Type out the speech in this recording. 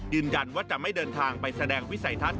ยืนยันว่าจะไม่เดินทางไปแสดงวิสัยทัศน